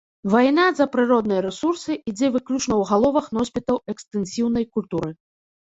Вайна за прыродныя рэсурсы ідзе выключна ў галовах носьбітаў экстэнсіўнай культуры.